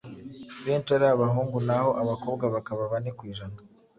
benshi ari abahungu naho abakobwa bakaba bane kwijana